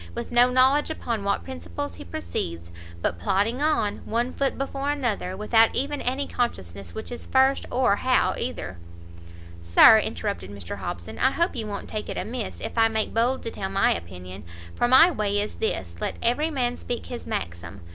with no knowledge upon what principles he proceeds, but plodding on, one foot before another, without even any consciousness which is first, or how either " "Sir," interrupted Mr Hobson, "I hope you won't take it amiss if I make bold to tell my opinion, for my way is this, let every man speak his maxim!